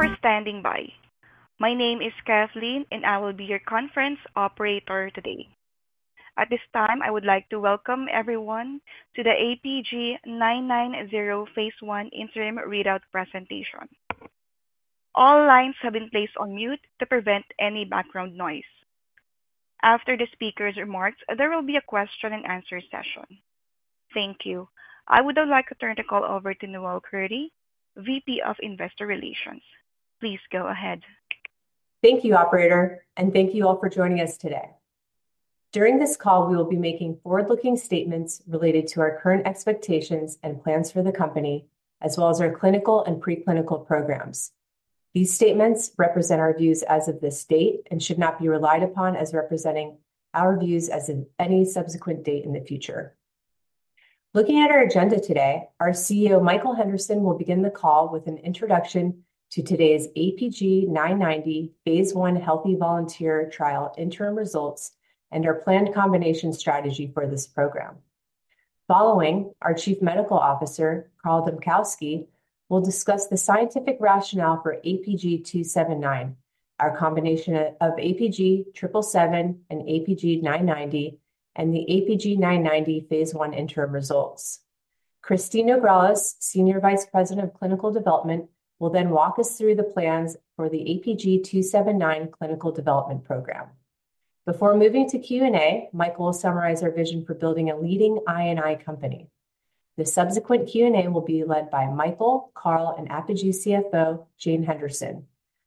Thank you for standing by. My name is Kathleen, and I will be your conference operator today. At this time, I would like to welcome everyone to the APG990 phase I Interim Readout Presentation. All lines have been placed on mute to prevent any background noise. After the speaker's remarks, there will be a question-and-answer session. Thank you. I would now like to turn the call over to Noel Kurdi, VP of Investor Relations. Please go ahead. Thank you, Operator, and thank you all for joining us today. During this call, we will be making forward-looking statements related to our current expectations and plans for the company, as well as our clinical and preclinical programs. These statements represent our views as of this date and should not be relied upon as representing our views as of any subsequent date in the future. Looking at our agenda today, our CEO, Michael Henderson, will begin the call with an introduction to today's APG990 phase I healthy volunteer trial interim results and our planned combination strategy for this program. Following, our Chief Medical Officer, Carl Dambkowski, will discuss the scientific rationale for APG279, our combination of APG777 and APG990, and the APG990 phase I interim results. Kristine Nograles, Senior Vice President of Clinical Development, will then walk us through the plans for the APG279 clinical development program. Before moving to Q&A, Michael will summarize our vision for building a leading I&I company. The subsequent Q&A will be led by Michael, Carl, and Apogee CFO, Jane Henderson.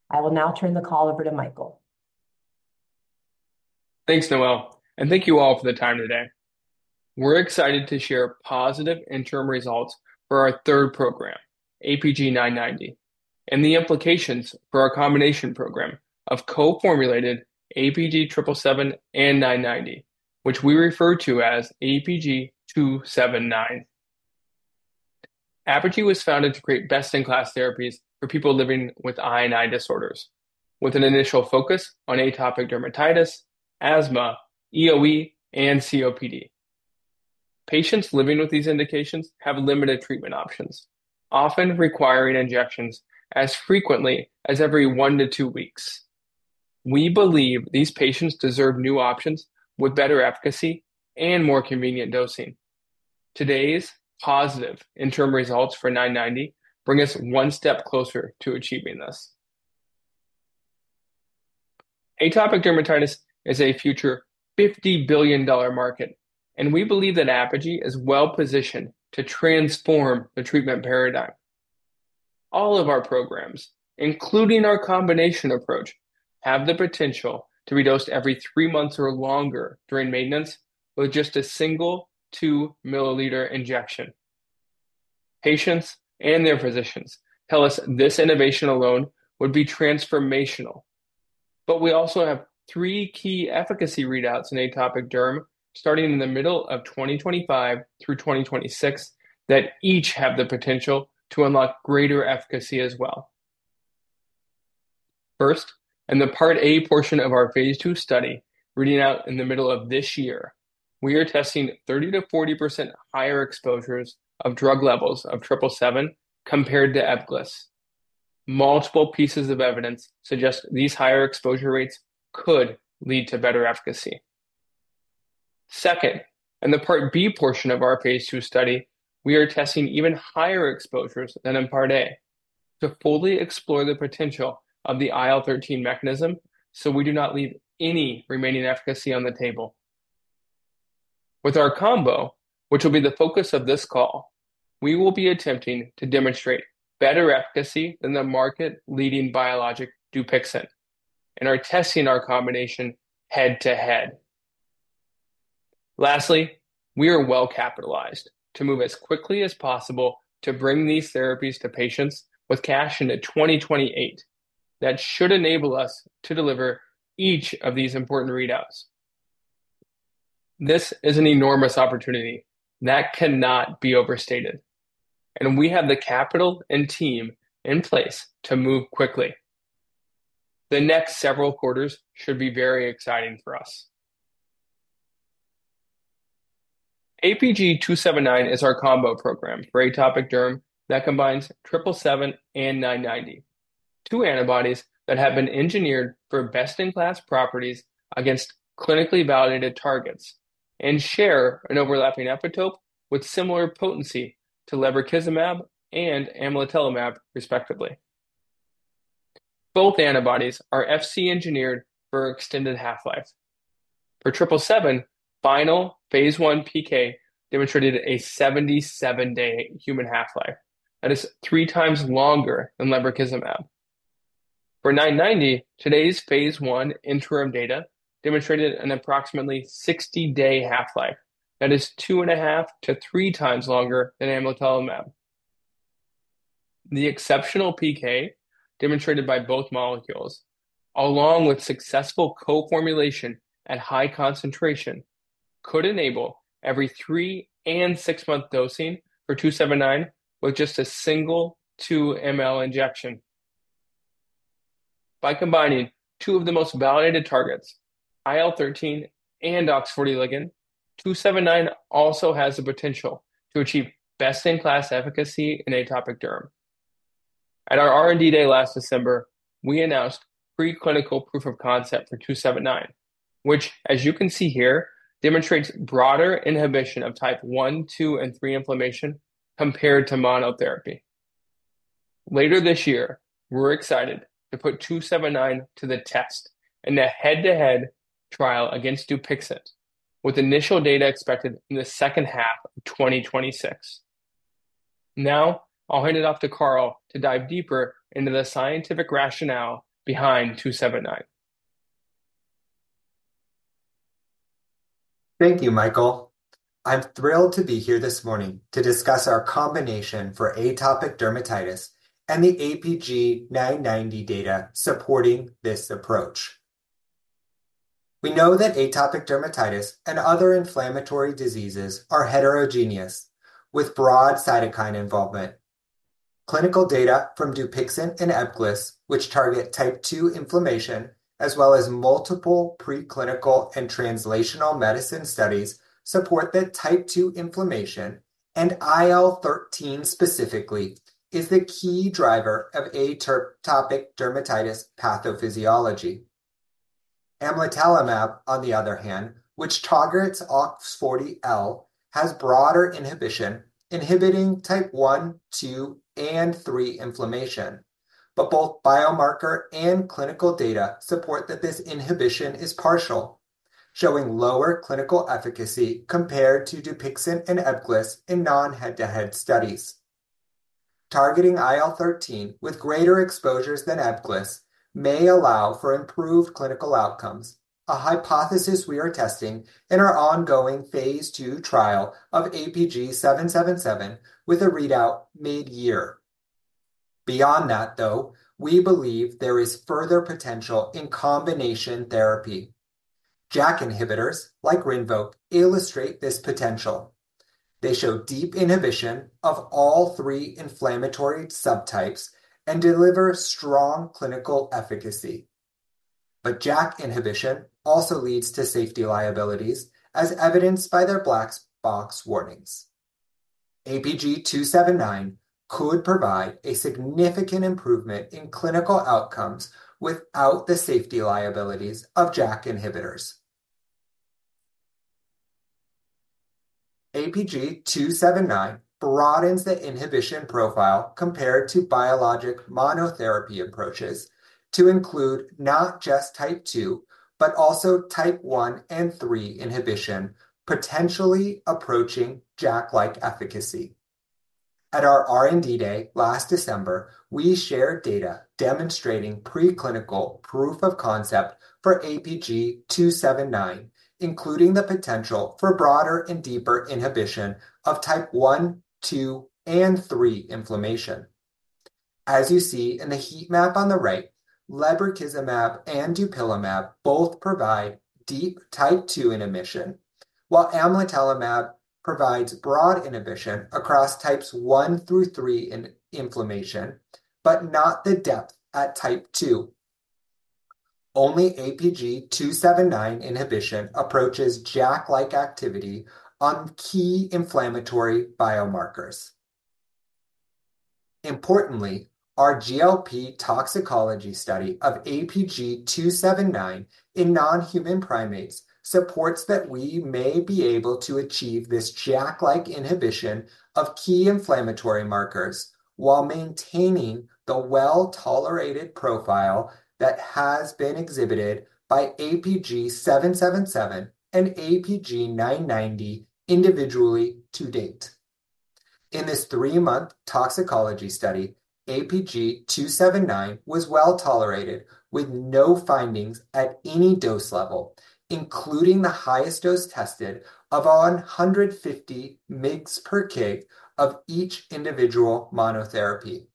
I will now turn the call over to Michael. Thanks, Noel, and thank you all for the time today. We're excited to share positive interim results for our third program, APG990, and the implications for our combination program of co-formulated APG777 and 990, which we refer to as APG279. Apogee was founded to create best-in-class therapies for people living with I&I disorders, with an initial focus on atopic dermatitis, asthma, EoE, and COPD. Patients living with these indications have limited treatment options, often requiring injections as frequently as every one to two weeks. We believe these patients deserve new options with better efficacy and more convenient dosing. Today's positive interim results for 990 bring us one step closer to achieving this. Atopic dermatitis is a future $50 billion market, and we believe that Apogee is well-positioned to transform the treatment paradigm. All of our programs, including our combination approach, have the potential to be dosed every three months or longer during maintenance with just a single 2 mL injection. Patients and their physicians tell us this innovation alone would be transformational. But we also have three key efficacy readouts in atopic derm starting in the middle of 2025 through 2026 that each have the potential to unlock greater efficacy as well. First, in the Part A portion of our phase II study reading out in the middle of this year, we are testing 30%-40% higher exposures of drug levels of 777 compared to Ebglyss. Multiple pieces of evidence suggest these higher exposure rates could lead to better efficacy. Second, in the Part B portion of our phase II study, we are testing even higher exposures than in Part A to fully explore the potential of the IL-13 mechanism so we do not leave any remaining efficacy on the table. With our combo, which will be the focus of this call, we will be attempting to demonstrate better efficacy than the market-leading biologic Dupixent, and are testing our combination head-to-head. Lastly, we are well-capitalized to move as quickly as possible to bring these therapies to patients with cash into 2028 that should enable us to deliver each of these important readouts. This is an enormous opportunity that cannot be overstated, and we have the capital and team in place to move quickly. The next several quarters should be very exciting for us. APG279 is our combo program for atopic derm that combines 777 and 990, two antibodies that have been engineered for best-in-class properties against clinically validated targets and share an overlapping epitope with similar potency to lebrikizumab and amlitelimab, respectively. Both antibodies are Fc-engineered for extended half-life. For 777, final phase I PK demonstrated a 77-day human half-life. That is three times longer than lebrikizumab. For 990, today's phase I interim data demonstrated an approximately 60-day half-life. That is 2.5 to 3 times longer than amlitelimab. The exceptional PK demonstrated by both molecules, along with successful co-formulation at high concentration, could enable every three and six-month dosing for 279 with just a single 2 mL injection. By combining two of the most validated targets, IL-13 and OX40 ligand, 279 also has the potential to achieve best-in-class efficacy in atopic derm. At our R&D Day last December, we announced preclinical proof of concept for 279, which, as you can see here, demonstrates broader inhibition of Type 1, 2, and 3 inflammation compared to monotherapy. Later this year, we're excited to put 279 to the test in a head-to-head trial against Dupixent, with initial data expected in the second half of 2026. Now, I'll hand it off to Carl to dive deeper into the scientific rationale behind 279. Thank you, Michael. I'm thrilled to be here this morning to discuss our combination for atopic dermatitis and the APG990 data supporting this approach. We know that atopic dermatitis and other inflammatory diseases are heterogeneous, with broad cytokine involvement. Clinical data from Dupixent and Ebglyss, which target Type 2 inflammation, as well as multiple preclinical and translational medicine studies, support that Type 2 inflammation and IL-13 specifically is the key driver of atopic dermatitis pathophysiology. Amlitelimab, on the other hand, which targets OX40L, has broader inhibition, inhibiting Type 1, 2, and 3 inflammation. But both biomarker and clinical data support that this inhibition is partial, showing lower clinical efficacy compared to Dupixent and Ebglyss in non-head-to-head studies. Targeting IL-13 with greater exposures than Ebglyss may allow for improved clinical outcomes, a hypothesis we are testing in our ongoing phase II trial of APG777 with a readout mid-year. Beyond that, though, we believe there is further potential in combination therapy. JAK inhibitors like Rinvoq illustrate this potential. They show deep inhibition of all three inflammatory subtypes and deliver strong clinical efficacy. But JAK inhibition also leads to safety liabilities, as evidenced by their black box warnings. APG279 could provide a significant improvement in clinical outcomes without the safety liabilities of JAK inhibitors. APG279 broadens the inhibition profile compared to biologic monotherapy approaches to include not just Type 2, but also Type 1 and 3 inhibition, potentially approaching JAK-like efficacy. At our R&D Day last December, we shared data demonstrating preclinical proof of concept for APG279, including the potential for broader and deeper inhibition of Type 1, 2, and 3 inflammation. As you see in the heat map on the right, lebrikizumab and dupilumab both provide deep Type 2 inhibition, while amlitelimab provides broad inhibition across Types 1 through 3 in inflammation, but not the depth at Type 2. Only APG279 inhibition approaches JAK-like activity on key inflammatory biomarkers. Importantly, our GLP toxicology study of APG279 in non-human primates supports that we may be able to achieve this JAK-like inhibition of key inflammatory markers while maintaining the well-tolerated profile that has been exhibited by APG777 and APG990 individually to date. In this three-month toxicology study, APG279 was well tolerated with no findings at any dose level, including the highest dose tested of 150 mg/kg of each individual monotherapy.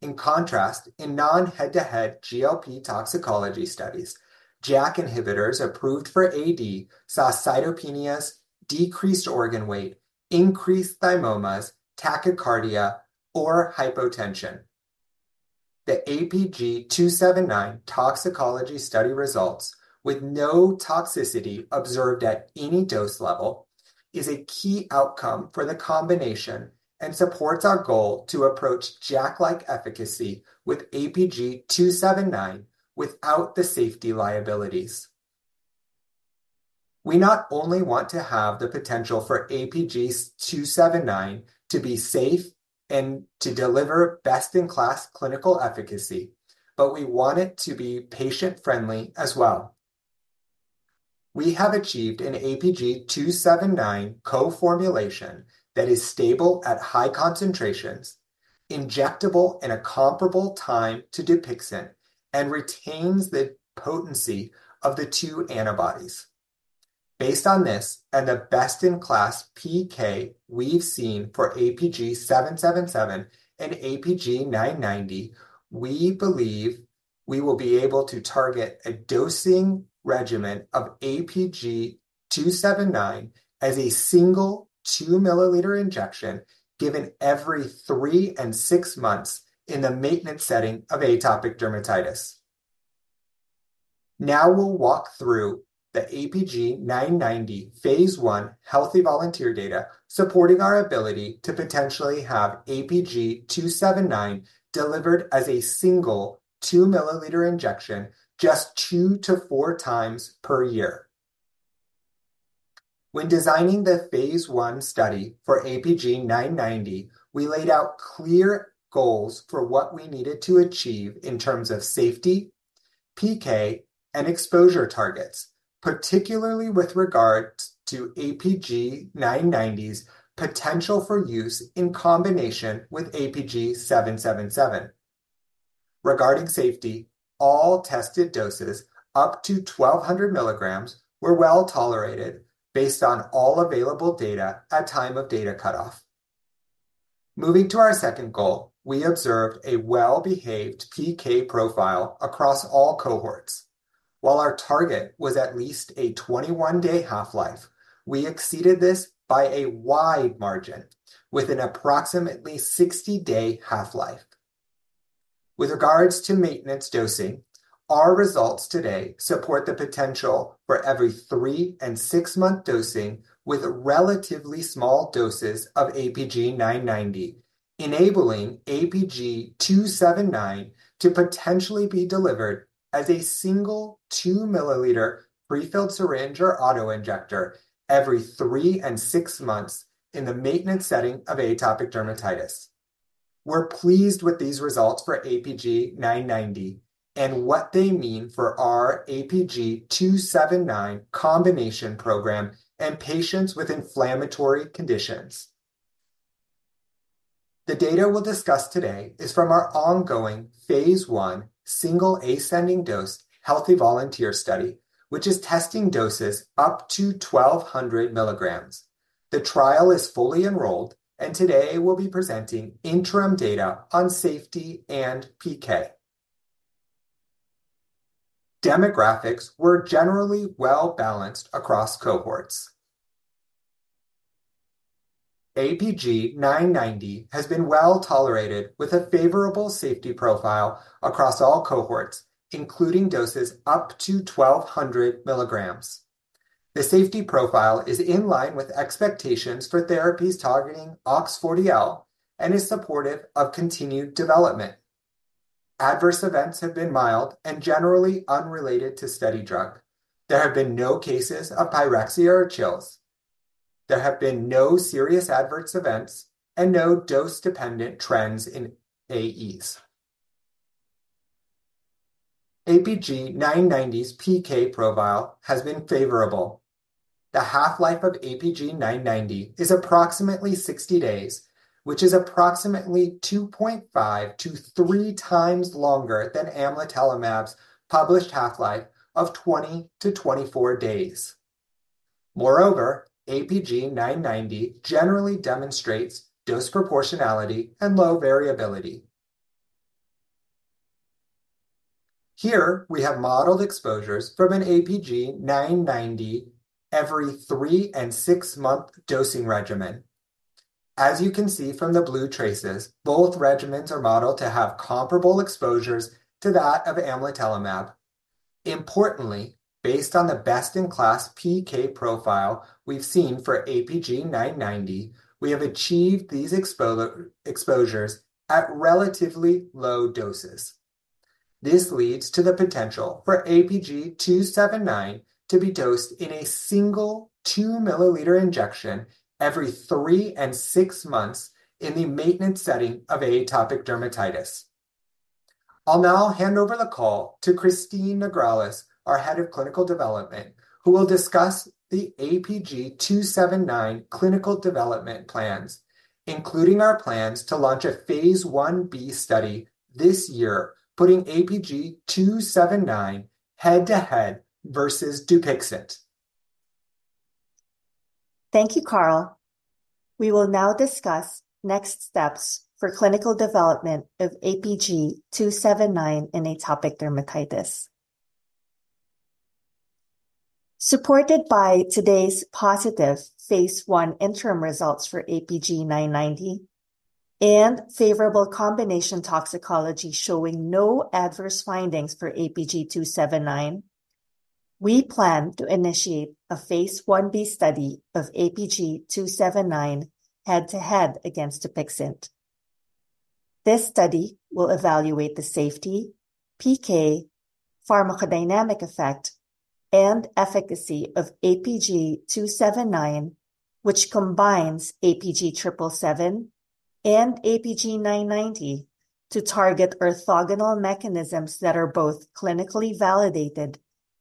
In contrast, in non-head-to-head GLP toxicology studies, JAK inhibitors approved for AD saw cytopenias, decreased organ weight, increased thymomas, tachycardia, or hypotension. The APG279 toxicology study results, with no toxicity observed at any dose level, is a key outcome for the combination and supports our goal to approach JAK-like efficacy with APG279 without the safety liabilities. We not only want to have the potential for APG279 to be safe and to deliver best-in-class clinical efficacy, but we want it to be patient-friendly as well. We have achieved an APG279 co-formulation that is stable at high concentrations, injectable in a comparable time to Dupixent, and retains the potency of the two antibodies. Based on this and the best-in-class PK we've seen for APG777 and APG990, we believe we will be able to target a dosing regimen of APG279 as a single 2 mL injection given every three and six months in the maintenance setting of atopic dermatitis. Now we'll walk through the APG990 phase I healthy volunteer data supporting our ability to potentially have APG279 delivered as a single 2 mL injection just two to four times per year. When designing the phase I study for APG990, we laid out clear goals for what we needed to achieve in terms of safety, PK, and exposure targets, particularly with regard to APG990's potential for use in combination with APG777. Regarding safety, all tested doses up to 1,200 mg were well tolerated based on all available data at time of data cutoff. Moving to our second goal, we observed a well-behaved PK profile across all cohorts. While our target was at least a 21-day half-life, we exceeded this by a wide margin with an approximately 60-day half-life. With regards to maintenance dosing, our results today support the potential for every three and six-month dosing with relatively small doses of APG990, enabling APG279 to potentially be delivered as a single 2 mL prefilled syringe or autoinjector every three and six months in the maintenance setting of atopic dermatitis. We're pleased with these results for APG990 and what they mean for our APG279 combination program and patients with inflammatory conditions. The data we'll discuss today is from our ongoing phase I single ascending dose healthy volunteer study, which is testing doses up to 1,200 mg. The trial is fully enrolled, and today we'll be presenting interim data on safety and PK. Demographics were generally well-balanced across cohorts. APG990 has been well tolerated with a favorable safety profile across all cohorts, including doses up to 1,200 mg. The safety profile is in line with expectations for therapies targeting OX40L and is supportive of continued development. Adverse events have been mild and generally unrelated to study drug. There have been no cases of pyrexia or chills. There have been no serious adverse events and no dose-dependent trends in AEs. APG990's PK profile has been favorable. The half-life of APG990 is approximately 60 days, which is approximately 2.5 to 3 times longer than amlitelimab's published half-life of 20 to 24 days. Moreover, APG990 generally demonstrates dose proportionality and low variability. Here we have modeled exposures from an APG990 every three and six-month dosing regimen. As you can see from the blue traces, both regimens are modeled to have comparable exposures to that of amlitelimab. Importantly, based on the best-in-class PK profile we've seen for APG990, we have achieved these exposures at relatively low doses. This leads to the potential for APG279 to be dosed in a single 2 mL injection every three and six months in the maintenance setting of atopic dermatitis. I'll now hand over the call to Kristine Nograles, our Head of Clinical Development, who will discuss the APG279 clinical development plans, including our plans to launch a phase I-B study this year, putting APG279 head-to-head versus Dupixent. Thank you, Carl. We will now discuss next steps for clinical development of APG279 in atopic dermatitis. Supported by today's positive phase I interim results for APG990 and favorable combination toxicology showing no adverse findings for APG279, we plan to initiate a phase I-B study of APG279 head-to-head against Dupixent. This study will evaluate the safety, PK, pharmacodynamic effect, and efficacy of APG279, which combines APG777 and APG990 to target orthogonal mechanisms that are both clinically validated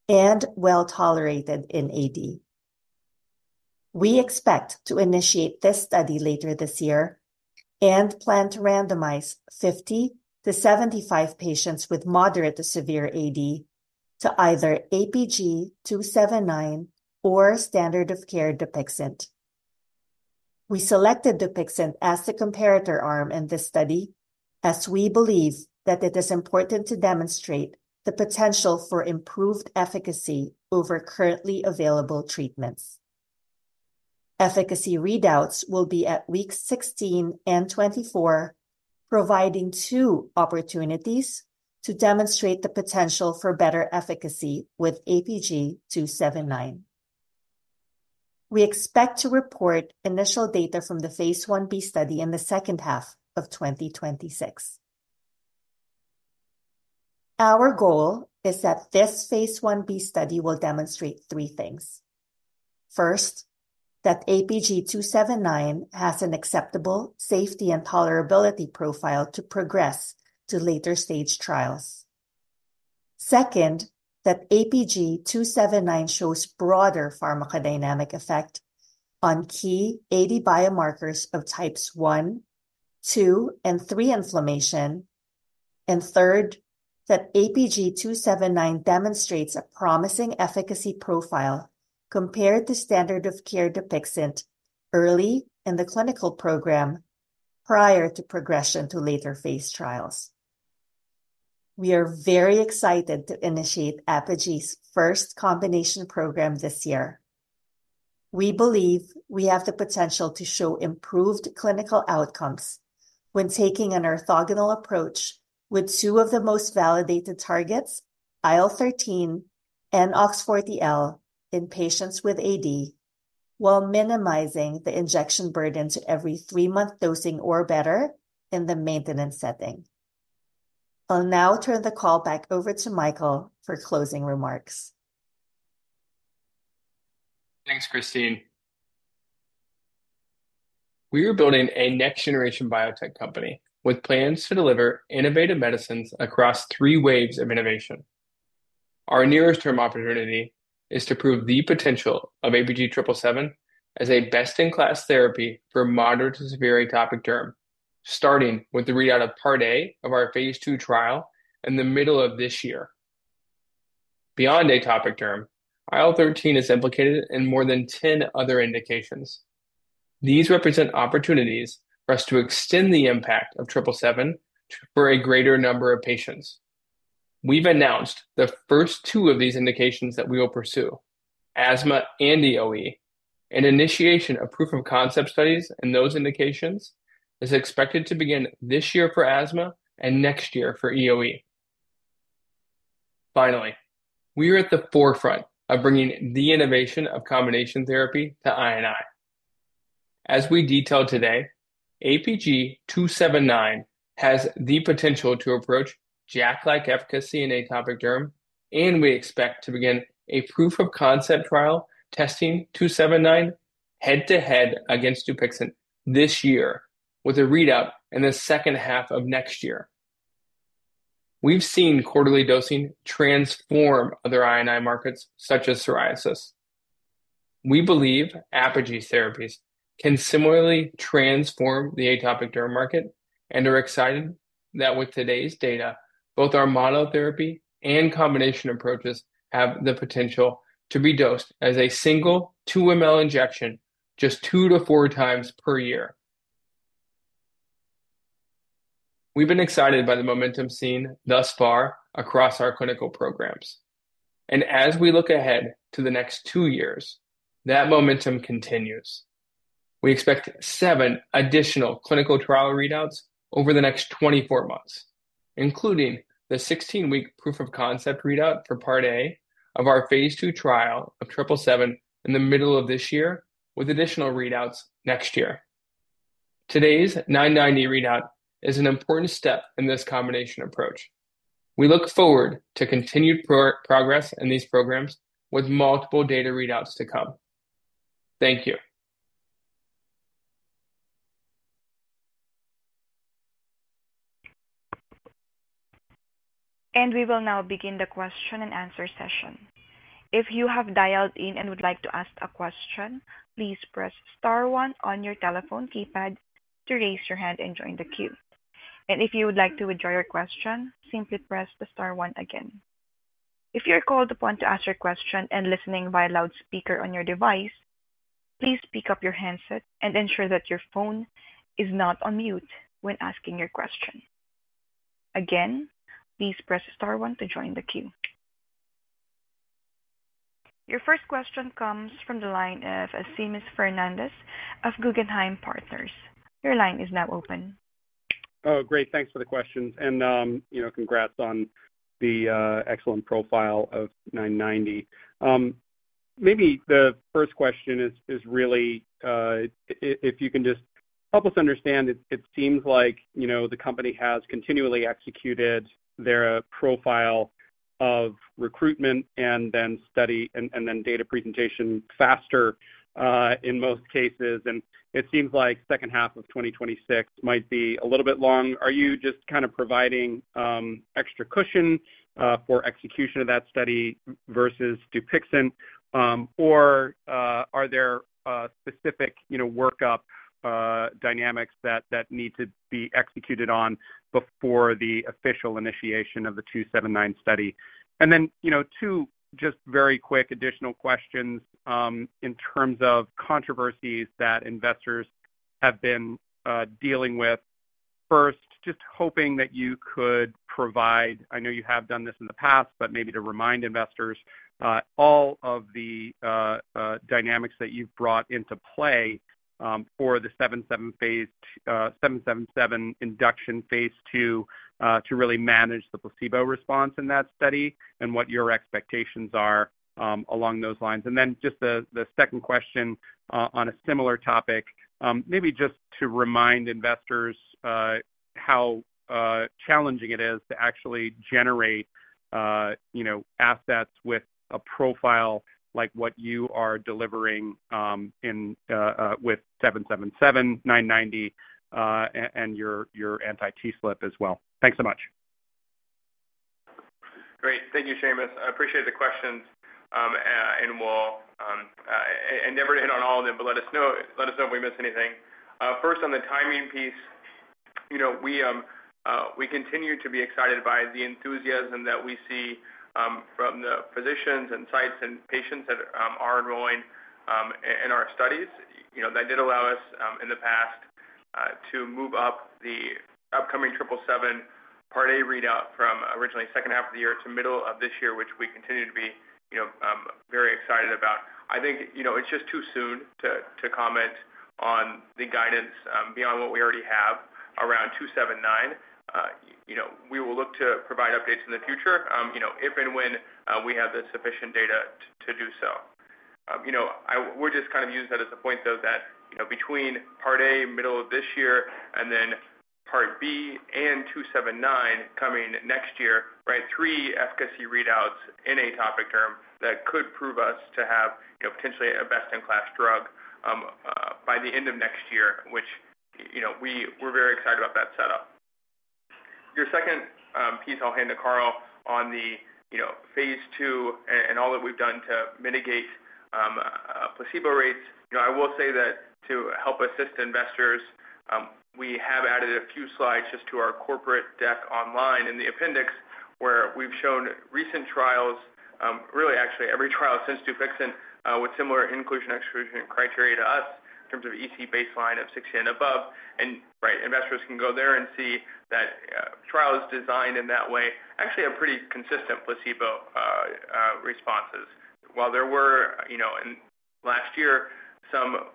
and well tolerated in AD. We expect to initiate this study later this year and plan to randomize 50 to 75 patients with moderate to severe AD to either APG279 or standard of care Dupixent. We selected Dupixent as the comparator arm in this study as we believe that it is important to demonstrate the potential for improved efficacy over currently available treatments. Efficacy readouts will be at weeks 16 and 24, providing two opportunities to demonstrate the potential for better efficacy with APG279. We expect to report initial data from the phase I-B study in the second half of 2026. Our goal is that this phase I-B study will demonstrate three things. First, that APG279 has an acceptable safety and tolerability profile to progress to later stage trials. Second, that APG279 shows broader pharmacodynamic effect on key AD biomarkers of types 1, 2, and 3 inflammation. And third, that APG279 demonstrates a promising efficacy profile compared to standard of care Dupixent early in the clinical program prior to progression to later phase trials. We are very excited to initiate Apogee's first combination program this year. We believe we have the potential to show improved clinical outcomes when taking an orthogonal approach with two of the most validated targets, IL-13 and OX40L, in patients with AD, while minimizing the injection burden to every three-month dosing or better in the maintenance setting. I'll now turn the call back over to Michael for closing remarks. Thanks, Kristine. We are building a next-generation biotech company with plans to deliver innovative medicines across three waves of innovation. Our nearest-term opportunity is to prove the potential of APG777 as a best-in-class therapy for moderate to severe atopic derm, starting with the readout of Part A of our phase II trial in the middle of this year. Beyond atopic derm, IL-13 is implicated in more than 10 other indications. These represent opportunities for us to extend the impact of 777 for a greater number of patients. We've announced the first two of these indications that we will pursue: asthma and EoE. An initiation of proof of concept studies in those indications is expected to begin this year for asthma and next year for EoE. Finally, we are at the forefront of bringing the innovation of combination therapy to AD. As we detailed today, APG279 has the potential to approach JAK-like efficacy in atopic derm, and we expect to begin a proof of concept trial testing 279 head-to-head against Dupixent this year with a readout in the second half of next year. We've seen quarterly dosing transform other JAK markets such as psoriasis. We believe Apogee's therapies can similarly transform the atopic derm market and are excited that with today's data, both our monotherapy and combination approaches have the potential to be dosed as a single 2 mL injection just two to four times per year. We've been excited by the momentum seen thus far across our clinical programs, and as we look ahead to the next two years, that momentum continues. We expect seven additional clinical trial readouts over the next 24 months, including the 16-week proof of concept readout for Part A of our phase II trial of 777 in the middle of this year with additional readouts next year. Today's 990 readout is an important step in this combination approach. We look forward to continued progress in these programs with multiple data readouts to come. Thank you. We will now begin the question and answer session. If you have dialed in and would like to ask a question, please press star one on your telephone keypad to raise your hand and join the queue. If you would like to withdraw your question, simply press the star one again. If you're called upon to ask your question and listening via loudspeaker on your device, please pick up your handset and ensure that your phone is not on mute when asking your question. Again, please press star one to join the queue. Your first question comes from the line of Seamus Fernandez of Guggenheim Partners. Your line is now open. Oh, great. Thanks for the questions. And, you know, congrats on the excellent profile of 990. Maybe the first question is really, if you can just help us understand, it seems like, you know, the company has continually executed their profile of recruitment and then study and then data presentation faster in most cases. And it seems like the second half of 2026 might be a little bit long. Are you just kind of providing extra cushion for execution of that study versus Dupixent, or are there specific, you know, workup dynamics that need to be executed on before the official initiation of the 279 study? And then, you know, two just very quick additional questions in terms of controversies that investors have been dealing with. First, just hoping that you could provide, I know you have done this in the past, but maybe to remind investors, all of the dynamics that you've brought into play for the 777 induction phase II to really manage the placebo response in that study and what your expectations are along those lines. And then just the second question on a similar topic, maybe just to remind investors how challenging it is to actually generate, you know, assets with a profile like what you are delivering with 777, 990, and your anti-TSLP as well. Thanks so much. Great. Thank you, Seamus. I appreciate the questions. And we'll endeavor to hit on all of them, but let us know if we miss anything. First, on the timing piece, you know, we continue to be excited by the enthusiasm that we see from the physicians and sites and patients that are enrolling in our studies. You know, that did allow us in the past to move up the upcoming 777 Part A readout from originally second half of the year to middle of this year, which we continue to be, you know, very excited about. I think, you know, it's just too soon to comment on the guidance beyond what we already have around 279. You know, we will look to provide updates in the future, you know, if and when we have the sufficient data to do so. You know, we're just kind of using that as a point, though, that, you know, between Part A, middle of this year, and then Part B and 279 coming next year, right, three efficacy readouts in atopic derm that could prove us to have, you know, potentially a best-in-class drug by the end of next year, which, you know, we're very excited about that setup. Your second piece I'll hand to Carl on the, you know, phase II and all that we've done to mitigate placebo rates. You know, I will say that to help assist investors, we have added a few slides just to our corporate deck online in the appendix where we've shown recent trials, really actually every trial since Dupixent with similar inclusion and exclusion criteria to us in terms of EASI baseline of 16 and above. Right, investors can go there and see that trials designed in that way actually have pretty consistent placebo responses. While there were, you know, last year some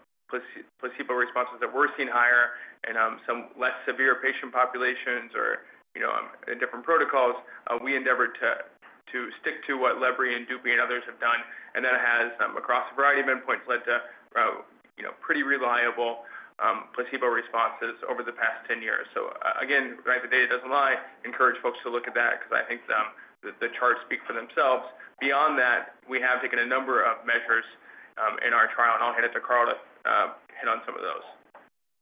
placebo responses that were seen higher in some less severe patient populations or, you know, in different protocols, we endeavored to stick to what lebrikizumab and Dupixent and others have done. And that has across a variety of endpoints led to, you know, pretty reliable placebo responses over the past 10 years. So again, right, the data doesn't lie. Encourage folks to look at that because I think the charts speak for themselves. Beyond that, we have taken a number of measures in our trial. I'll hand it to Carl to hit on some of those.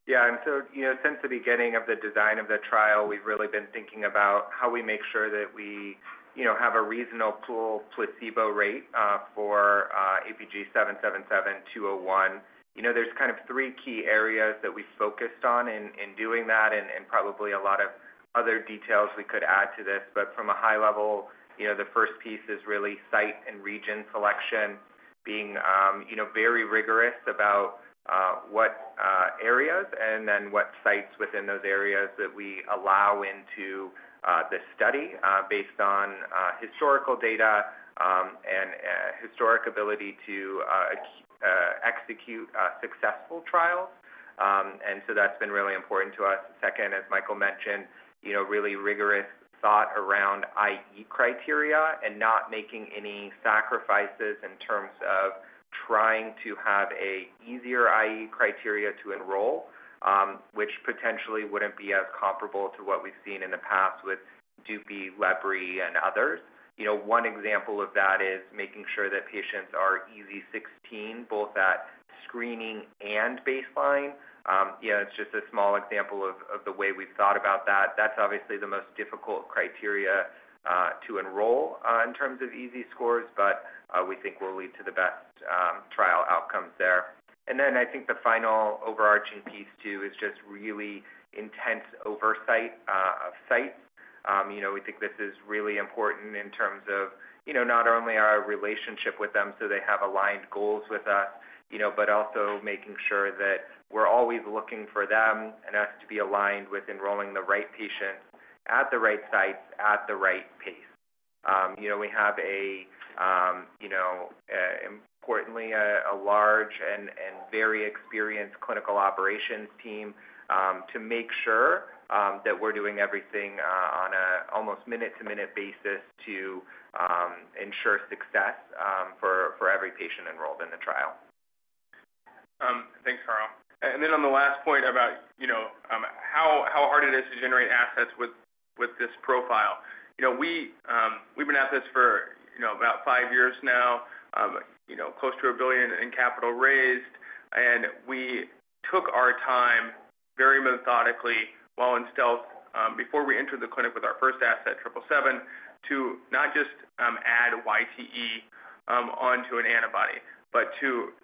Yeah. And so, you know, since the beginning of the design of the trial, we've really been thinking about how we make sure that we, you know, have a reasonable placebo rate for APG777-201. You know, there's kind of three key areas that we focused on in doing that and probably a lot of other details we could add to this. But from a high level, you know, the first piece is really site and region selection, being, you know, very rigorous about what areas and then what sites within those areas that we allow into the study based on historical data and historic ability to execute successful trials. And so that's been really important to us. Second, as Michael mentioned, you know, really rigorous thought around I/E criteria and not making any sacrifices in terms of trying to have an easier I/E criteria to enroll, which potentially wouldn't be as comparable to what we've seen in the past with Dupixent, lebrikizumab, and others. You know, one example of that is making sure that patients are EASI-16 both at screening and baseline. You know, it's just a small example of the way we've thought about that. That's obviously the most difficult criteria to enroll in terms of EASI scores, but we think will lead to the best trial outcomes there. And then I think the final overarching piece too is just really intense oversight of sites. You know, we think this is really important in terms of, you know, not only our relationship with them so they have aligned goals with us, you know, but also making sure that we're always looking for them and us to be aligned with enrolling the right patients at the right sites at the right pace. You know, we have, you know, importantly, a large and very experienced clinical operations team to make sure that we're doing everything on an almost minute-to-minute basis to ensure success for every patient enrolled in the trial. Thanks, Carl. And then on the last point about, you know, how hard it is to generate assets with this profile. You know, we've been at this for, you know, about five years now, you know, close to $1 billion in capital raised. And we took our time very methodically while in stealth before we entered the clinic with our first asset, 777, to not just add YTE onto an antibody, but to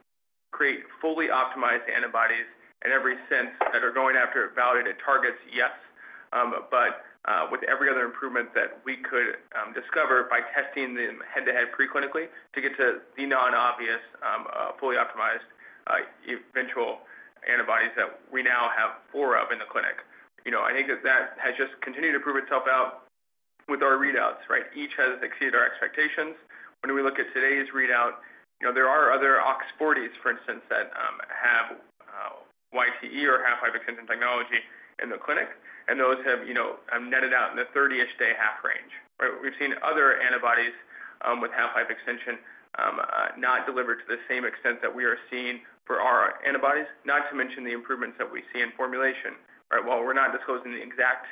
create fully optimized antibodies in every sense that are going after validated targets, yes, but with every other improvement that we could discover by testing them head-to-head preclinically to get to the non-obvious fully optimized eventual antibodies that we now have four of in the clinic. You know, I think that that has just continued to prove itself out with our readouts, right? Each has exceeded our expectations. When we look at today's readout, you know, there are other OX40s, for instance, that have YTE or half-life extension technology in the clinic. And those have, you know, netted out in the 30-ish day half-life range, right? We've seen other antibodies with half-life extension not delivered to the same extent that we are seeing for our antibodies, not to mention the improvements that we see in formulation, right? While we're not disclosing the exact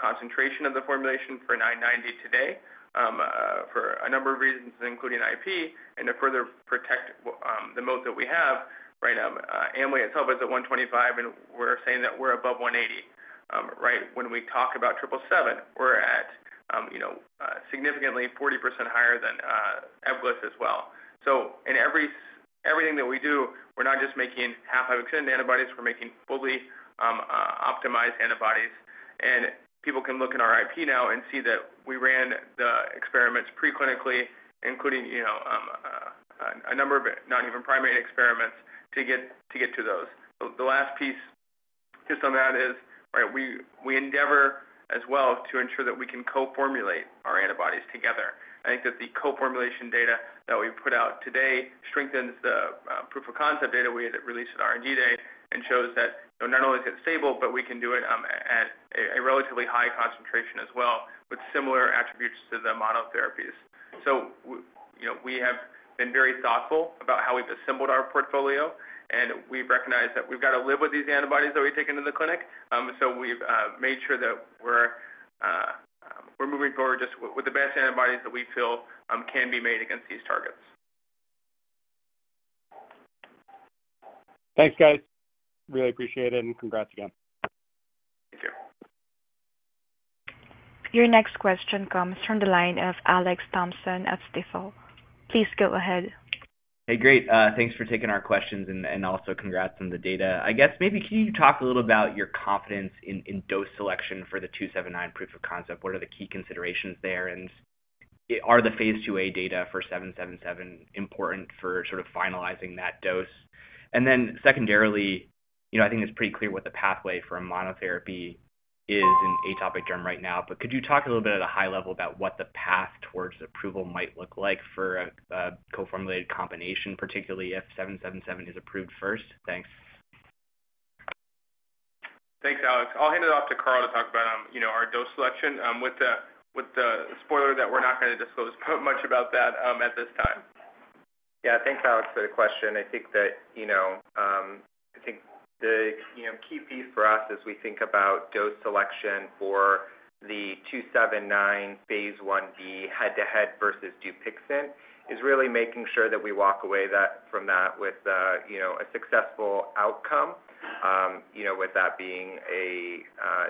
concentration of the formulation for 990 today for a number of reasons, including IP and to further protect the moat that we have, right? Amlitelimab itself is at 125, and we're saying that we're above 180, right? When we talk about 777, we're at, you know, significantly 40% higher than Ebglyss as well. So in everything that we do, we're not just making half-life extended antibodies. We're making fully optimized antibodies. And people can look in our IP now and see that we ran the experiments preclinically, including, you know, a number of not even primate experiments to get to those. The last piece just on that is, right, we endeavor as well to ensure that we can co-formulate our antibodies together. I think that the co-formulation data that we put out today strengthens the proof of concept data we had released at R&D Day and shows that, you know, not only is it stable, but we can do it at a relatively high concentration as well with similar attributes to the monotherapies. So, you know, we have been very thoughtful about how we've assembled our portfolio, and we've recognized that we've got to live with these antibodies that we take into the clinic. We've made sure that we're moving forward just with the best antibodies that we feel can be made against these targets. Thanks, guys. Really appreciate it. And congrats again. Thank you. Your next question comes from the line of Alex Thompson at Stifel. Please go ahead. Hey, great. Thanks for taking our questions and also congrats on the data. I guess maybe can you talk a little about your confidence in dose selection for the 279 proof of concept? What are the key considerations there? And are the phase II-A data for 777 important for sort of finalizing that dose? And then secondarily, you know, I think it's pretty clear what the pathway for a monotherapy is in atopic derm right now, but could you talk a little bit at a high level about what the path towards approval might look like for a co-formulated combination, particularly if 777 is approved first? Thanks. Thanks, Alex. I'll hand it off to Carl to talk about, you know, our dose selection with the spoiler that we're not going to disclose much about that at this time. Yeah. Thanks, Alex, for the question. I think that, you know, I think the, you know, key piece for us as we think about dose selection for the 279 phase I-B head-to-head versus Dupixent is really making sure that we walk away from that with, you know, a successful outcome, you know, with that being a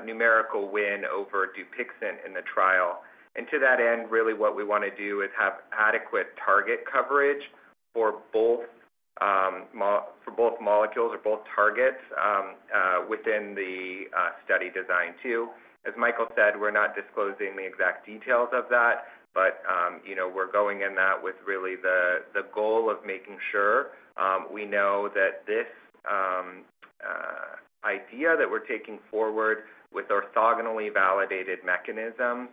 numerical win over Dupixent in the trial. And to that end, really what we want to do is have adequate target coverage for both molecules or both targets within the study design too. As Michael said, we're not disclosing the exact details of that, but, you know, we're going in that with really the goal of making sure we know that this idea that we're taking forward with orthogonally validated mechanisms,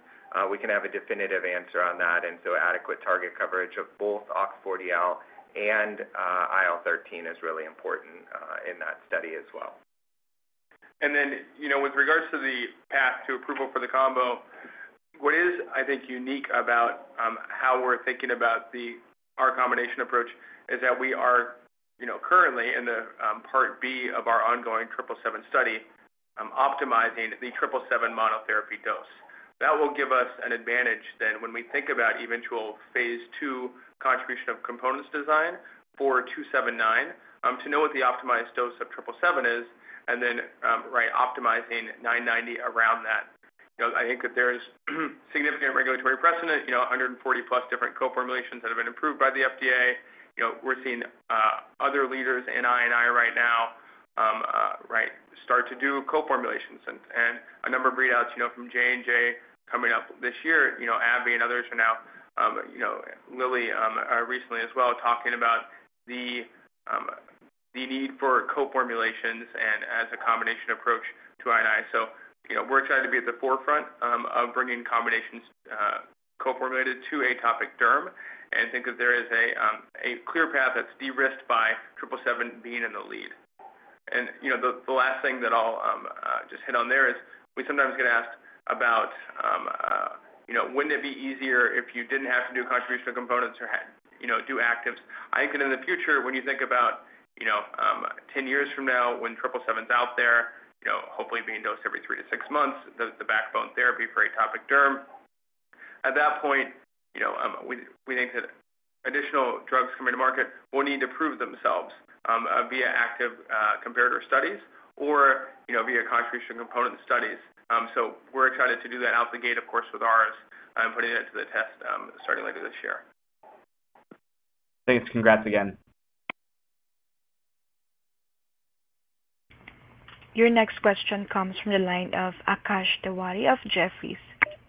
we can have a definitive answer on that. Adequate target coverage of both OX40L and IL-13 is really important in that study as well. And then, you know, with regards to the path to approval for the combo, what is, I think, unique about how we're thinking about our combination approach is that we are, you know, currently in Part B of our ongoing 777 study, optimizing the 777 monotherapy dose. That will give us an advantage then when we think about eventual phase II combination of components design for 279 to know what the optimized dose of 777 is and then, right, optimizing 990 around that. You know, I think that there's significant regulatory precedent, you know, 140-plus different co-formulations that have been approved by the FDA. You know, we're seeing other leaders in AD right now, right, start to do co-formulations. And a number of readouts, you know, from J&J coming up this year, you know, AbbVie and others are now, you know, Lilly recently as well talking about the need for co-formulations and as a combination approach to AD. So, you know, we're excited to be at the forefront of bringing combinations co-formulated to atopic derm and think that there is a clear path that's de-risked by 777 being in the lead. And, you know, the last thing that I'll just hit on there is we sometimes get asked about, you know, wouldn't it be easier if you didn't have to do contribution of components or, you know, do actives? I think that in the future, when you think about, you know, 10 years from now when 777 is out there, you know, hopefully being dosed every three to six months, the backbone therapy for atopic derm, at that point, you know, we think that additional drugs coming to market will need to prove themselves via active comparator studies or, you know, via contribution component studies. So we're excited to do that out of the gate, of course, with ours and putting it to the test starting later this year. Thanks. Congrats again. Your next question comes from the line of Akash Tewari of Jefferies.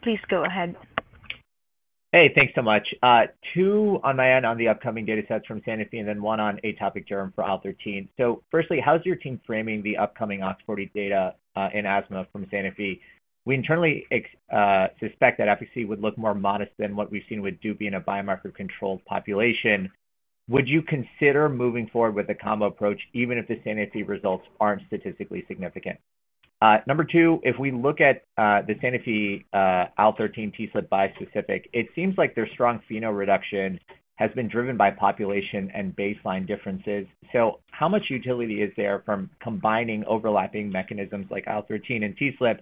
Please go ahead. Hey, thanks so much. Two on my end on the upcoming data sets from Sanofi and then one on atopic derm for IL-13. So firstly, how's your team framing the upcoming OX40 data in asthma from Sanofi? We internally suspect that efficacy would look more modest than what we've seen with Dupixent in a biomarker-controlled population. Would you consider moving forward with the combo approach even if the Sanofi results aren't statistically significant? Number two, if we look at the Sanofi IL-13 TSLP bispecific, it seems like their strong EASI reduction has been driven by population and baseline differences. So how much utility is there from combining overlapping mechanisms like IL-13 and TSLP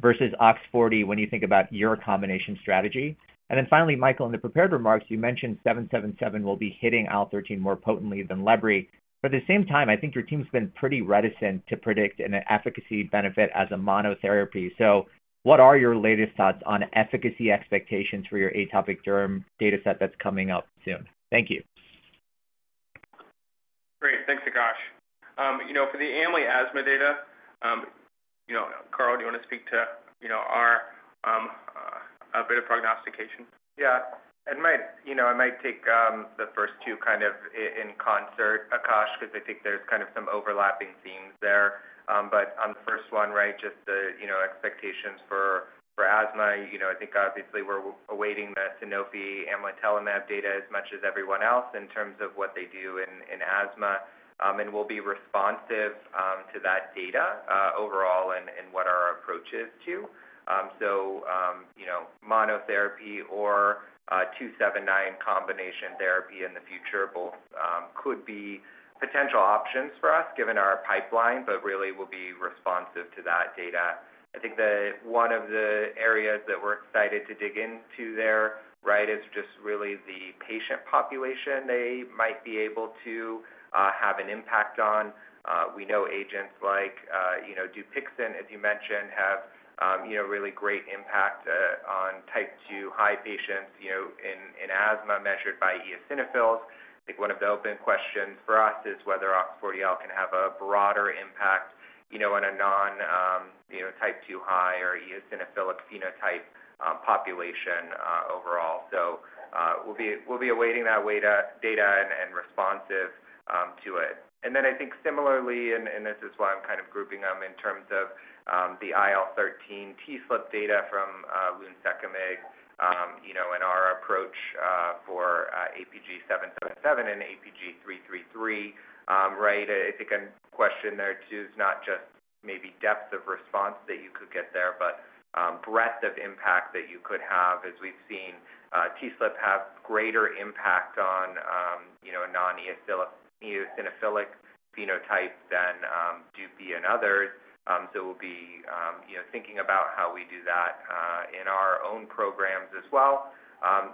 versus OX40 when you think about your combination strategy? And then finally, Michael, in the prepared remarks, you mentioned 777 will be hitting IL-13 more potently than lebrikizumab. But at the same time, I think your team's been pretty reticent to predict an efficacy benefit as a monotherapy. So what are your latest thoughts on efficacy expectations for your atopic derm data set that's coming up soon? Thank you. Great. Thanks, Akash. You know, for the amlitelimab asthma data, you know, Carl, do you want to speak to, you know, our bit of prognostication? Yeah. I might, you know, I might take the first two kind of in concert, Akash, because I think there's kind of some overlapping themes there. But on the first one, right, just the, you know, expectations for asthma, you know, I think obviously we're awaiting the Sanofi amlitelimab data as much as everyone else in terms of what they do in asthma. And we'll be responsive to that data overall and what our approach is to. So, you know, monotherapy or 279 combination therapy in the future both could be potential options for us given our pipeline, but really we'll be responsive to that data. I think that one of the areas that we're excited to dig into there, right, is just really the patient population they might be able to have an impact on. We know agents like, you know, Dupixent, as you mentioned, have, you know, really great impact on Type 2 high patients, you know, in asthma measured by eosinophils. I think one of the open questions for us is whether OX40L can have a broader impact, you know, on a non, you know, Type 2 high or eosinophilic phenotype population overall. So we'll be awaiting that data and responsive to it. And then I think similarly, and this is why I'm kind of grouping them in terms of the IL-13 TSLP data from lunsekimig, you know, and our approach for APG777 and APG333, right? I think a question there too is not just maybe depth of response that you could get there, but breadth of impact that you could have as we've seen TSLP have greater impact on, you know, non-eosinophilic phenotype than Duppi and others. So we'll be, you know, thinking about how we do that in our own programs as well.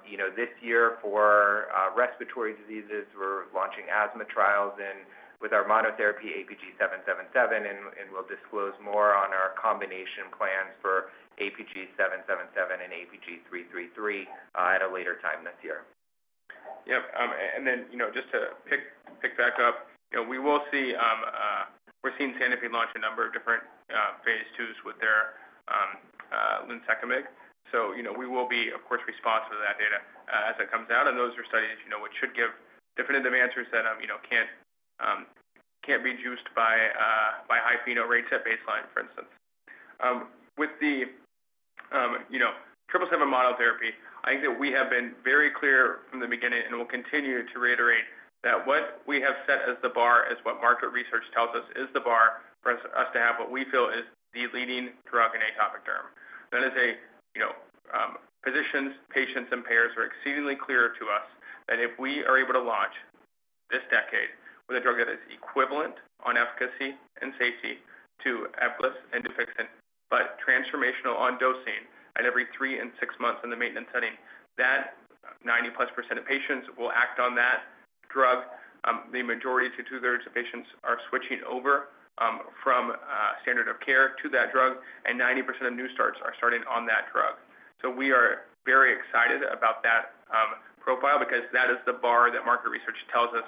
You know, this year for respiratory diseases, we're launching asthma trials in with our monotherapy APG777, and we'll disclose more on our combination plans for APG777 and APG333 at a later time this year. Yep. And then, you know, just to pick back up, you know, we will see we're seeing Sanofi launch a number of different phase IIs with their lunsekimig. So, you know, we will be, of course, responsive to that data as it comes out. And those are studies, you know, which should give definitive answers that, you know, can't be juiced by high phenotypes at baseline, for instance. With the, you know, 777 monotherapy, I think that we have been very clear from the beginning and will continue to reiterate that what we have set as the bar is what market research tells us is the bar for us to have what we feel is the leading drug in atopic derm. That is, you know, physicians, patients, and payers are exceedingly clear to us that if we are able to launch this decade with a drug that is equivalent on efficacy and safety to Ebglyss and Dupixent, but transformational on dosing at every three and six months in the maintenance setting, that 90+% of patients will act on that drug. The majority, 2/3 of patients are switching over from standard of care to that drug, and 90% of new starts are starting on that drug. So we are very excited about that profile because that is the bar that market research tells us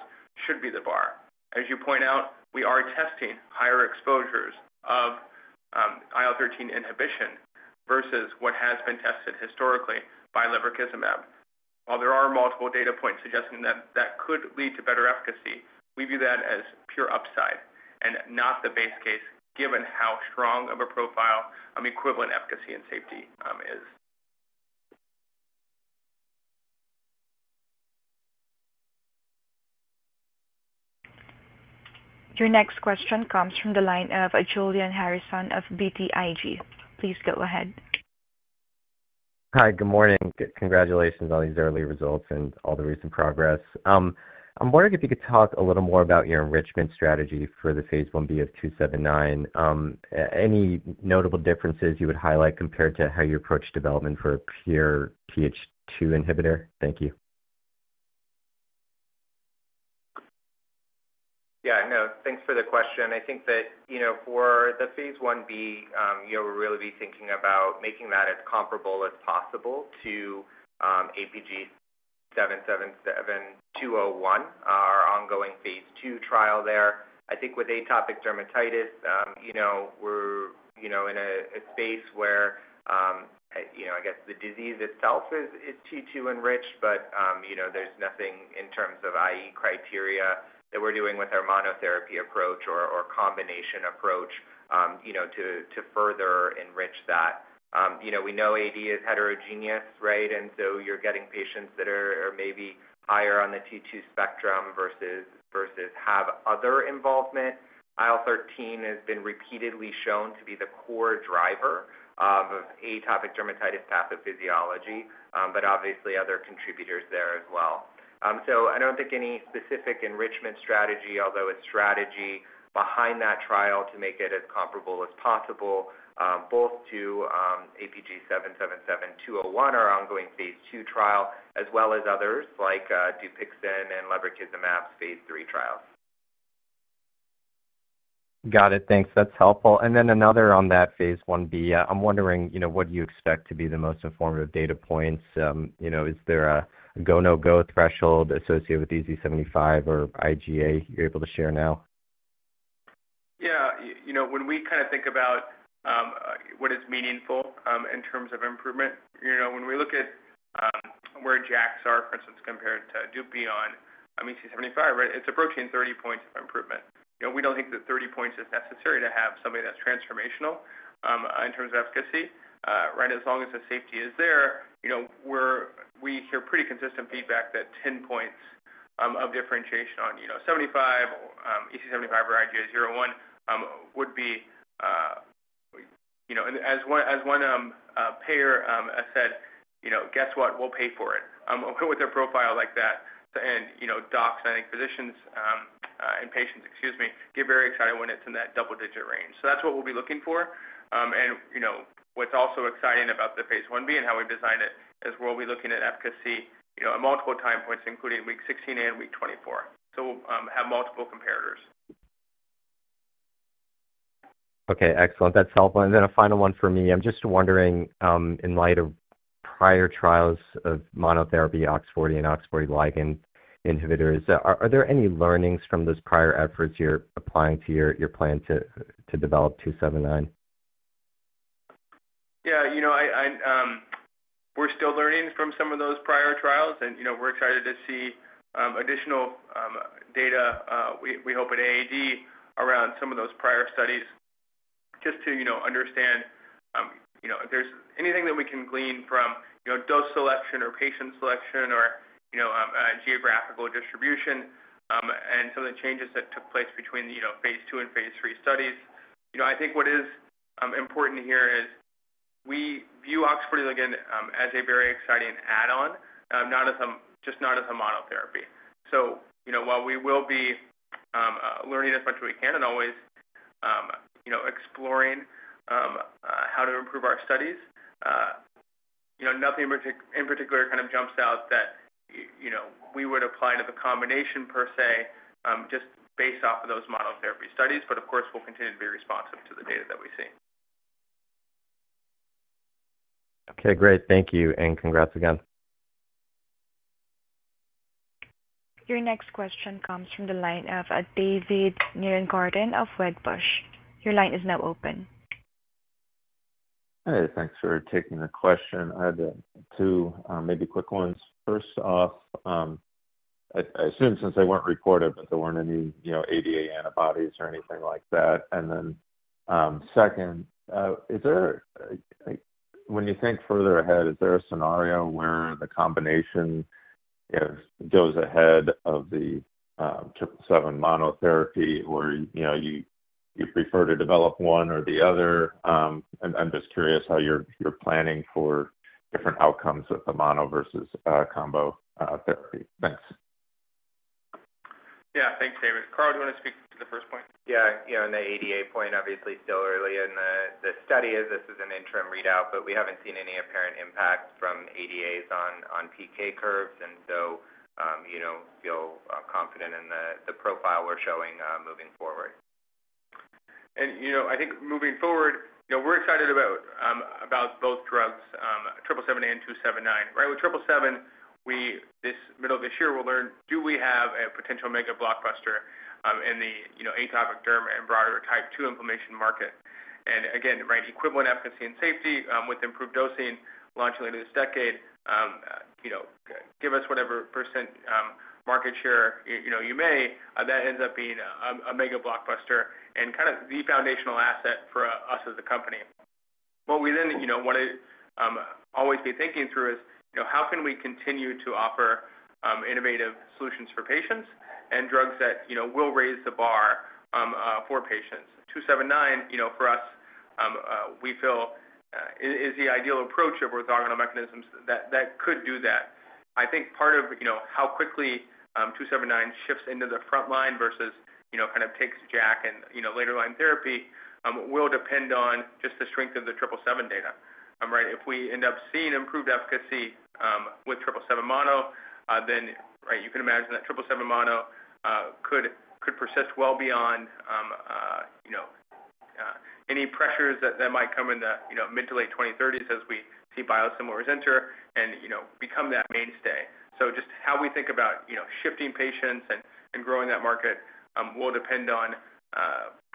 should be the bar. As you point out, we are testing higher exposures of IL-13 inhibition versus what has been tested historically by lebrikizumab. While there are multiple data points suggesting that could lead to better efficacy, we view that as pure upside and not the base case given how strong of a profile equivalent efficacy and safety is. Your next question comes from the line of Julian Harrison of BTIG. Please go ahead. Hi, good morning. Congratulations on these early results and all the recent progress. I'm wondering if you could talk a little more about your enrichment strategy for the phase I-B of APG279. Any notable differences you would highlight compared to how you approach development for a pure TH2 inhibitor? Thank you. Yeah. No, thanks for the question. I think that, you know, for the phase I-B, you know, we're really thinking about making that as comparable as possible to APG777, our ongoing phase II trial there. I think with atopic dermatitis, you know, we're, you know, in a space where, you know, I guess the disease itself is T2 enriched, but, you know, there's nothing in terms of I/E criteria that we're doing with our monotherapy approach or combination approach, you know, to further enrich that. You know, we know AD is heterogeneous, right? And so you're getting patients that are maybe higher on the T2 spectrum versus have other involvement. IL-13 has been repeatedly shown to be the core driver of atopic dermatitis pathophysiology, but obviously other contributors there as well. I don't think any specific enrichment strategy, although a strategy behind that trial to make it as comparable as possible both to APG777-201, our ongoing phase II trial, as well as others like Dupixent and lebrikizumab's phase III trials. Got it. Thanks. That's helpful. And then another on that phase I-B, I'm wondering, you know, what do you expect to be the most informative data points? You know, is there a go/no-go threshold associated with EASI-75 or IGA you're able to share now? Yeah. You know, when we kind of think about what is meaningful in terms of improvement, you know, when we look at where JAKs are, for instance, compared to Dupixent on EASI-75, right, it's approaching 30 points of improvement. You know, we don't think that 30 points is necessary to have something that's transformational in terms of efficacy, right? As long as the safety is there, you know, we hear pretty consistent feedback that 10 points of differentiation on, you know, EASI-75 or IGA 0/1 would be, you know, as one payer said, you know, guess what? We'll pay for it with a profile like that. And, you know, docs, I think, physicians and patients, excuse me, get very excited when it's in that double-digit range. So that's what we'll be looking for. You know, what's also exciting about the phase I-B and how we design it is we'll be looking at efficacy, you know, at multiple time points, including week 16 and week 24. So we'll have multiple comparators. Okay. Excellent. That's helpful. And then a final one for me. I'm just wondering, in light of prior trials of monotherapy OX40 and OX40 ligand inhibitors, are there any learnings from those prior efforts you're applying to your plan to develop 279? Yeah. You know, we're still learning from some of those prior trials. And, you know, we're excited to see additional data we hope at AAD around some of those prior studies just to, you know, understand, you know, if there's anything that we can glean from, you know, dose selection or patient selection or, you know, geographical distribution and some of the changes that took place between, you know, phase II and phase three studies. You know, I think what is important here is we view OX40 ligand as a very exciting add-on, not as a monotherapy. So, you know, while we will be learning as much as we can and always, you know, exploring how to improve our studies, you know, nothing in particular kind of jumps out that, you know, we would apply to the combination per se just based off of those monotherapy studies. But, of course, we'll continue to be responsive to the data that we see. Okay. Great. Thank you, and congrats again. Your next question comes from the line of David Nierengarten of Wedbush. Your line is now open. Hi. Thanks for taking the question. I had two maybe quick ones. First off, I assume since they weren't recorded, but there weren't any, you know, ADA antibodies or anything like that. And then second, when you think further ahead, is there a scenario where the combination goes ahead of the 777 monotherapy or, you know, you prefer to develop one or the other? I'm just curious how you're planning for different outcomes with the mono versus combo therapy. Thanks. Yeah. Thanks, David. Carl, do you want to speak to the first point? Yeah. You know, in the ADA point, obviously still early in the study as this is an interim readout, but we haven't seen any apparent impact from ADAs on PK curves. And so, you know, feel confident in the profile we're showing moving forward. You know, I think moving forward, you know, we're excited about both drugs, 777 and 279, right? With 777, we're in the middle of this year. We'll learn if we have a potential mega blockbuster in the, you know, atopic derm and broader Type 2 inflammation market. And again, right, equivalent efficacy and safety with improved dosing launching later this decade, you know, give us whatever percent market share, you know, you may, that ends up being a mega blockbuster and kind of the foundational asset for us as a company. What we then, you know, want to always be thinking through is, you know, how can we continue to offer innovative solutions for patients and drugs that, you know, will raise the bar for patients? 279, you know, for us, we feel is the ideal approach of orthogonal mechanisms that could do that. I think part of, you know, how quickly 279 shifts into the front line versus, you know, kind of takes JAK and, you know, later line therapy will depend on just the strength of the 777 data, right? If we end up seeing improved efficacy with 777 mono, then, right, you can imagine that 777 mono could persist well beyond, you know, any pressures that might come in the, you know, mid to late 2030s as we see biosimilars enter and, you know, become that mainstay. So just how we think about, you know, shifting patients and growing that market will depend on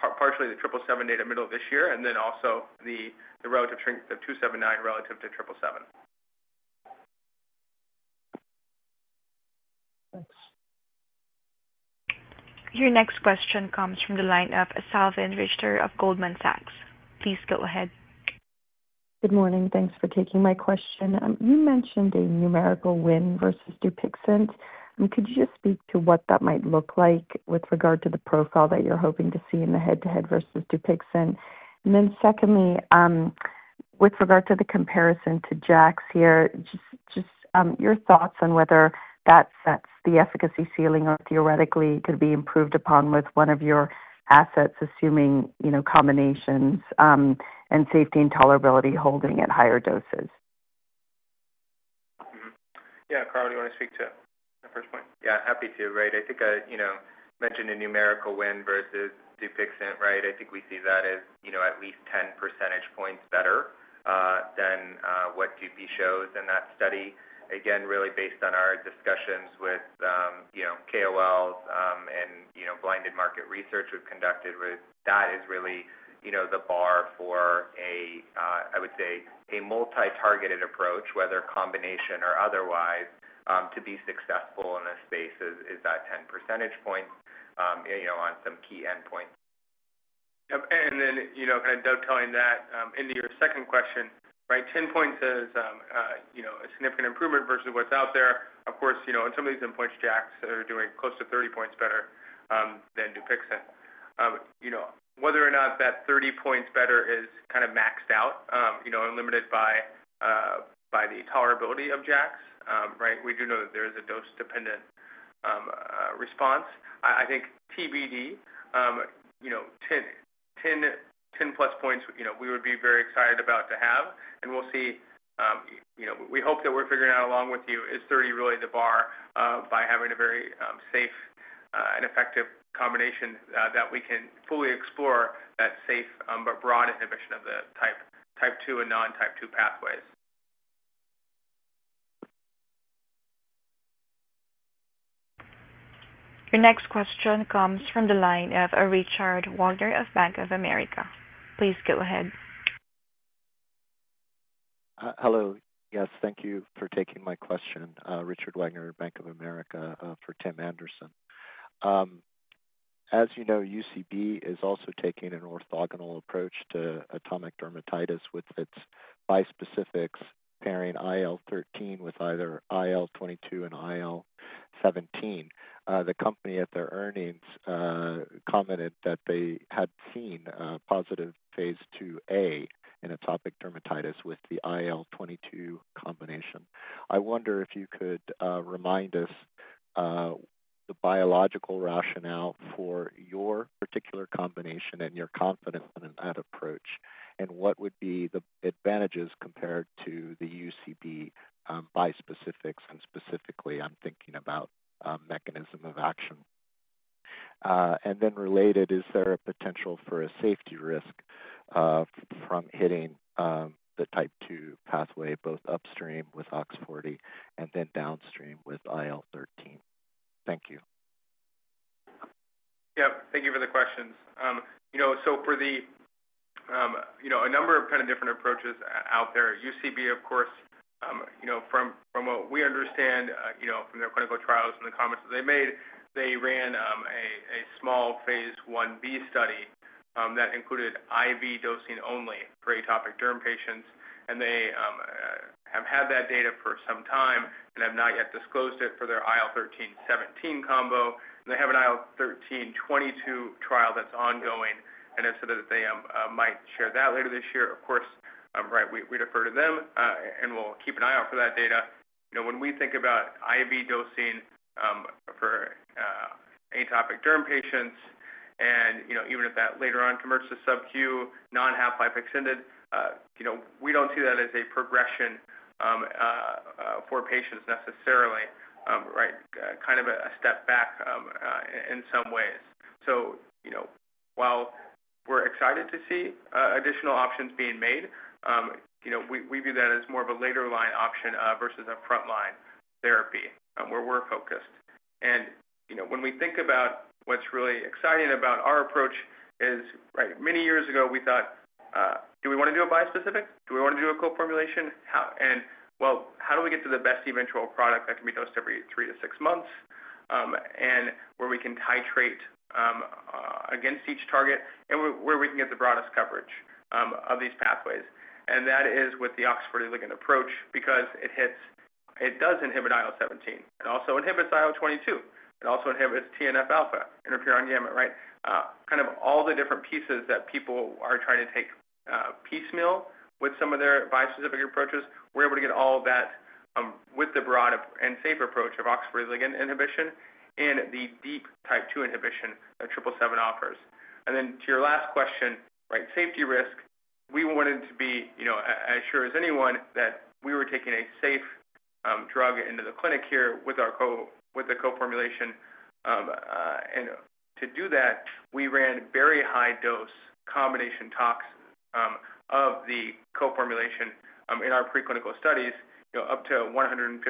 partially the 777 data middle of this year and then also the relative strength of 279 relative to 777. Thanks. Your next question comes from the line of Salveen Richter of Goldman Sachs. Please go ahead. Good morning. Thanks for taking my question. You mentioned a numerical win versus Dupixent. Could you just speak to what that might look like with regard to the profile that you're hoping to see in the head-to-head versus Dupixent? And then secondly, with regard to the comparison to JAKs here, just your thoughts on whether that sets the efficacy ceiling or theoretically could be improved upon with one of your assets, assuming, you know, combinations and safety and tolerability holding at higher doses? Yeah. Carl, do you want to speak to that first point? Yeah. Happy to. Right. I think, you know, mentioned a numerical win versus Dupixent, right? I think we see that as, you know, at least 10 percentage points better than what Dupi shows in that study. Again, really based on our discussions with, you know, KOLs and, you know, blinded market research we've conducted. That is really, you know, the bar for a, I would say, a multi-targeted approach, whether combination or otherwise, to be successful in a space is that 10 percentage point, you know, on some key endpoints. Yep. And then, you know, kind of dovetailing that into your second question, right? 10 points is, you know, a significant improvement versus what's out there. Of course, you know, in some of these endpoints, JAKs are doing close to 30 points better than Dupixent. You know, whether or not that 30 points better is kind of maxed out, you know, and limited by the tolerability of JAKs, right? We do know that there is a dose-dependent response. I think TBD, you know, 10+ points, you know, we would be very excited about to have. And we'll see, you know. We hope that we're figuring out along with you is 30 really the bar by having a very safe and effective combination that we can fully explore that safe but broad inhibition of the Type 2 and non-Type 2 pathways. Your next question comes from the line of Richard Wagner of Bank of America. Please go ahead. Hello. Yes. Thank you for taking my question. Richard Wagner, Bank of America for Tim Anderson. As you know, UCB is also taking an orthogonal approach to atopic dermatitis with its bispecifics pairing IL-13 with either IL-22 and IL-17. The company at their earnings commented that they had seen positive phase II-A in atopic dermatitis with the IL-22 combination. I wonder if you could remind us the biological rationale for your particular combination and your confidence in that approach and what would be the advantages compared to the UCB bispecifics and specifically I'm thinking about mechanism of action. And then related, is there a potential for a safety risk from hitting the Type 2 pathway both upstream with OX40 and then downstream with IL-13? Thank you. Yep. Thank you for the questions. You know, so for the, you know, a number of kind of different approaches out there, UCB, of course, you know, from what we understand, you know, from their clinical trials and the comments that they made, they ran a small phase I-B study that included IV dosing only for atopic derm patients. And they have had that data for some time and have not yet disclosed it for their IL-13, 17 combo. And they have an IL-13, 22 trial that's ongoing. And I said that they might share that later this year. Of course, right, we defer to them and we'll keep an eye out for that data. You know, when we think about IV dosing for atopic derm patients and, you know, even if that later on converts to subQ, non-half-life extended, you know, we don't see that as a progression for patients necessarily, right? Kind of a step back in some ways. You know, while we're excited to see additional options being made, you know, we view that as more of a later line option versus a front line therapy where we're focused. You know, when we think about what's really exciting about our approach is, right, many years ago we thought, do we want to do a bispecific? Do we want to do a co-formulation? And, well, how do we get to the best eventual product that can be dosed every three to six months and where we can titrate against each target and where we can get the broadest coverage of these pathways? And that is with the OX40 ligand approach because it hits, it does inhibit IL-17. It also inhibits IL-22. It also inhibits TNF-α, interferon gamma, right? Kind of all the different pieces that people are trying to take piecemeal with some of their bispecific approaches, we're able to get all of that with the broad and safe approach of OX40 ligand inhibition and the deep Type 2 inhibition that 777 offers. And then to your last question, right, safety risk, we wanted to be, you know, as sure as anyone that we were taking a safe drug into the clinic here with the co-formulation. And to do that, we ran very high dose combination tox of the co-formulation in our preclinical studies, you know, up to 150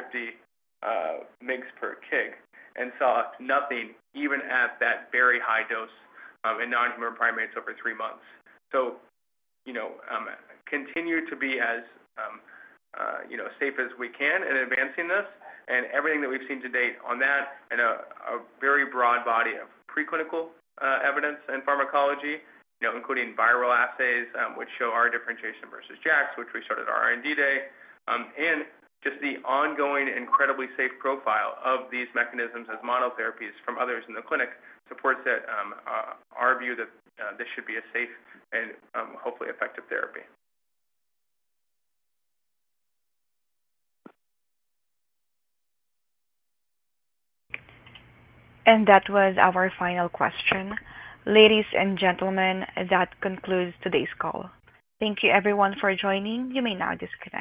mg/kg and saw nothing even at that very high dose in non-human primates over three months. So, you know, continue to be as, you know, safe as we can in advancing this and everything that we've seen to date on that and a very broad body of preclinical evidence and pharmacology, you know, including viral assays which show our differentiation versus JAKs, which we started our R&D Day and just the ongoing incredibly safe profile of these mechanisms as monotherapies from others in the clinic supports our view that this should be a safe and hopefully effective therapy. And that was our final question. Ladies and gentlemen, that concludes today's call. Thank you, everyone, for joining. You may now disconnect.